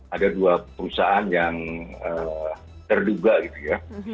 ada dua perusahaan yang terduga gitu ya